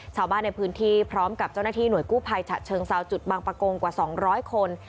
ชาวบ้านในพื้นที่พร้อมกับเจ้าหน้าที่หน่วยกู้ภัยฉะเชิงเซาจุดบางประกงกว่า๒๐๐คน